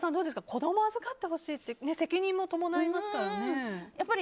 子供が預かってほしいって責任も伴いますからね。